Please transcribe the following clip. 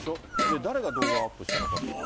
誰が動画をアップしたのかということで。